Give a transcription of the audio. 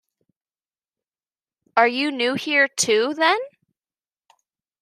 Are you new here, too, then?